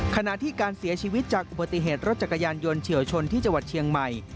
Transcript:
ขณะที่การเสียชีวิตจากอุบัติเหตุรถจักรยานยนต์เฉียวชนที่จังหวัดเชียงใหม่